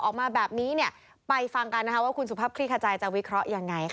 ออกมาแบบนี้ไปฟังกันว่าคุณสุภาพคลี่ขจายจะวิเคราะห์ยังไง